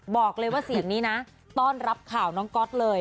บอกเลยว่าเสียงนี้นะต้อนรับข่าวน้องก๊อตเลย